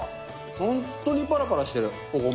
本当にぱらぱらしてる、お米。